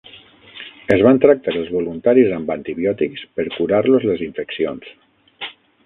Es van tractar els voluntaris amb antibiòtics per curar-los les infeccions.